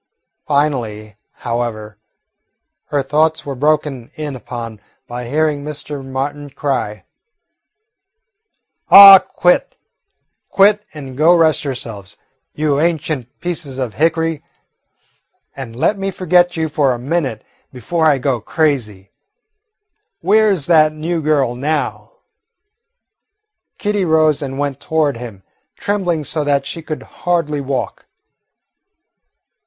Finally, however, her thoughts were broken in upon by hearing Mr. Martin cry: "Oh, quit, quit, and go rest yourselves, you ancient pieces of hickory, and let me forget you for a minute before I go crazy. Where 's that new girl now?" Kitty rose and went toward him, trembling so that she could hardly walk.